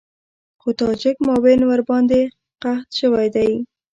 خو تاجک معاون ورباندې قحط شوی دی.